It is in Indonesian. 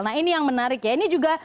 nah ini yang menarik ya